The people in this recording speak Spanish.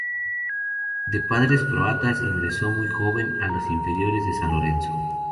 De padres croatas, ingresó muy joven a las inferiores de San Lorenzo.